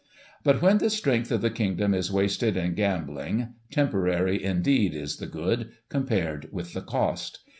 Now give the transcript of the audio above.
But, when the strength of the Kingdom is wasted in gambUng, temporary, indeed, is the good, compared with the cost.